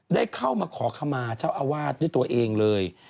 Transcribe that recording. ได้เข้ามาขอขมาเจ้าอาวาสด้วยตัวเองเลย